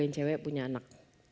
yang cewek punya anak